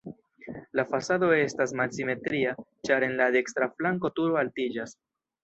La fasado estas malsimetria, ĉar en la dekstra flanko turo altiĝas.